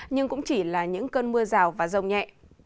nhưng cũng chỉ là những cơn mưa rào và rông nhẹ